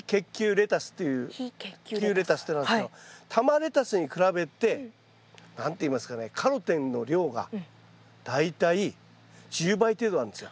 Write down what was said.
レタスっていうのがあるんですけど玉レタスに比べて何て言いますかねカロテンの量が大体１０倍程度なんですよ。